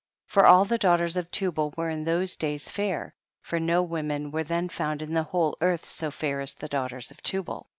5. For all the daughters of Tubal were in those days fair, for no women were then found in the whole earth so fair as the daughters of Tubal.